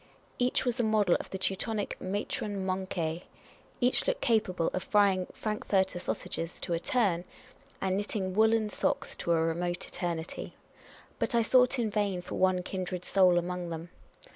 Each was a model Teutonic matron vianquic. Each looked capa ble of frying Frankfort sausages to a turn, and knitting 64 Miss Cayley's Adventures woollen socks to a remote eternity. But I sought in vain foi one kindred soul among them.